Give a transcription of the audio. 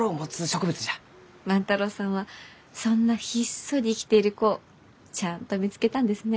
万太郎さんはそんなひっそり生きている子をちゃあんと見つけたんですね。